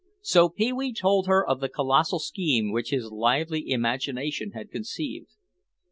So Pee wee told her of the colossal scheme which his lively imagination had conceived.